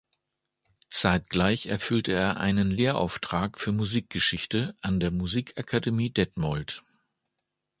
Zeitgleich erfüllte er einen Lehrauftrag für Musikgeschichte an der Musikakademie Detmold.